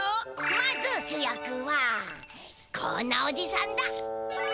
まず主役はこんなおじさんだ。